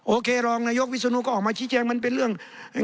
โอเครองนายกวิศนุก็ออกมาชี้แจงมันเป็นเรื่อง